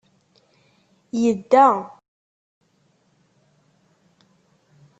Yedda.